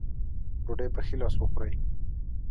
ډوډۍ پۀ ښي لاس وخورئ ـ